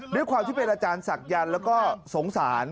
ด้วยความที่เป็นอาจารย์ศักยันต์แล้วก็สงสาร